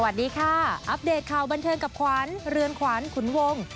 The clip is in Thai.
สวัสดีค่ะอัปเดตข่าวบันเทิงกับขวัญเรือนขวัญขุนวง